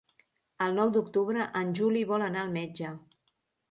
El nou d'octubre en Juli vol anar al metge.